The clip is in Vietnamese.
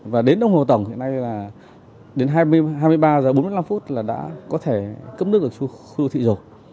và đến đồng hồ tổng hiện nay là đến hai mươi ba giờ bốn mươi năm phút là đã có thể cấp nước cho khu đô thị rồi